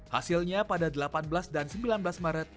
hasilnya pada delapan belas dan sembilan belas maret